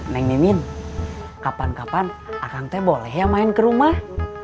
neng mimin kapan kapan akan teh boleh ya main ke rumah